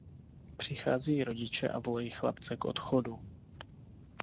Přicházejí rodiče a volají chlapce k odchodu.